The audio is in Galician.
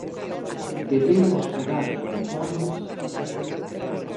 ¿Debemos quedar conformes?